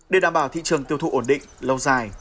để đảm bảo thị trường tiêu thụ ổn định lâu dài